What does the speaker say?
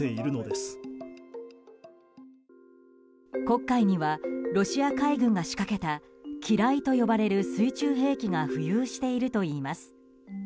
黒海にはロシア海軍が仕掛けた機雷と呼ばれる水中兵器が浮遊しているといいます。